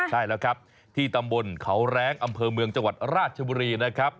ใช่แล้วครับที่ตำบลเขาแรงอำเภอเมืองจังหวัดราชบุรีนะครับ